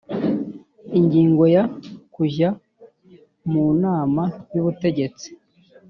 Ingingo ya kujya mu nama y ubutegetsi